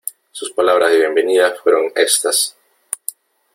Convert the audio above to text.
sus palabras de bienvenida fueron éstas :